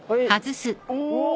お！